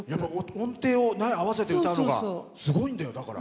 音程を合わせて歌うのがすごいんだよ、だから。